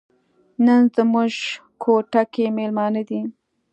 نن زموږ کوټه کې میلمانه دي.